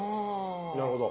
なるほど。